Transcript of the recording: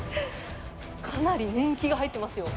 かなり年季が入ってますよ。